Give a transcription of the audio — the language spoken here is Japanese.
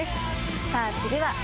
さぁ次は。